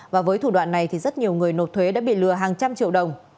và với thủ đoạn này thì rất nhiều người nộp thuế đã bị lừa hàng trăm triệu đồng